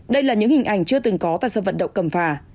đây là những hình ảnh chưa từng có tại xâm vận động cầm phà